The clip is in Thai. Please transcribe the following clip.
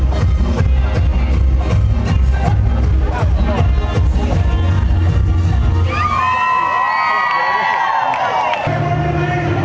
ว้าวว้าวว้าวว้าวว้าวว้าวว้าวว้าวว้าวว้าว